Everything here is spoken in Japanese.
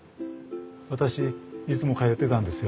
私いつも通ってたんですよ。